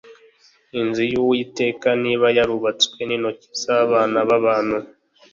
Inzu y’uwiteka ntiba yarubatswe n intoki z’abana b’abantu